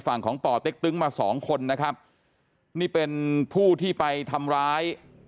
ฝั่งของป่อเต็กตึ้งมาสองคนนะครับนี่เป็นผู้ที่ไปทำร้าย